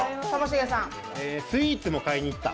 スイーツも買いに行った。